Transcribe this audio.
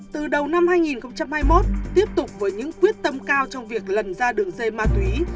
từ đầu năm hai nghìn hai mươi một tiếp tục với những quyết tâm cao trong việc lần ra đường dây ma túy